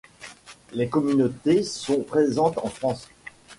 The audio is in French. Des communautés sont présentes en France.